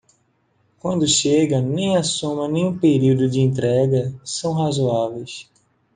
Quando chega, nem a soma nem o período de entrega são razoáveis.